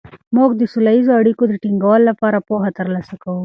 موږ د سوله ییزو اړیکو د ټینګولو لپاره پوهه ترلاسه کوو.